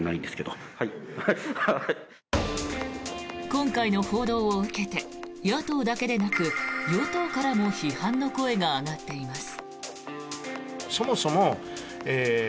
今回の報道を受けて野党だけでなく与党からも批判の声が上がっています。